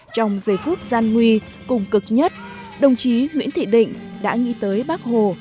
trong giây phút gian nguy cùng cực nhất đồng chí nguyễn thị định đã nghĩ tới bác hồ